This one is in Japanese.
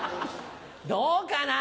どうかな。